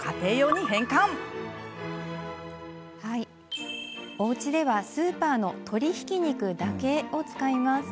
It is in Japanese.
なかなか難しいのでおうちではスーパーの鶏ひき肉だけを使います。